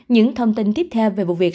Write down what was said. những thông tin tiếp theo về vụ việc